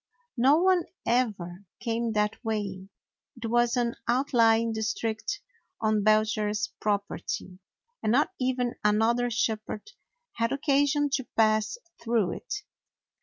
No one ever came that way; it was an outlying district on Belcher's property, and not even another shepherd had occasion to pass through it.